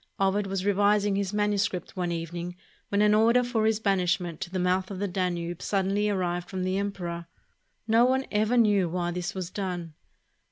Ovid was revising his manuscript one evening when an order for his banish ment to the mouth of the Danube suddenly arrived from the emperor. No one ever knew why this was done.